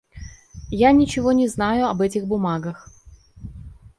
Я ничего не знаю об этих бумагах.